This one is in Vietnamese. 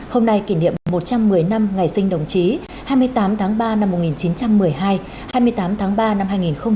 hôm nay kỷ niệm một trăm một mươi năm ngày sinh đồng chí hai mươi tám tháng ba năm một nghìn chín trăm một mươi hai hai mươi tám tháng ba năm hai nghìn hai mươi